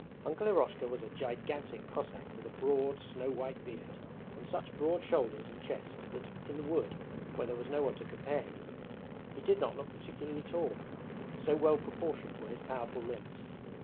Uncle Eroshka was a gigantic Cossack with a broad, snow white beard and such broad shoulders and chest that in the wood, where there was no one to compare him with, he did not look particularly tall, so well proportioned were his powerful limbs.